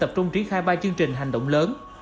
tập trung triển khai ba chương trình hành động lớn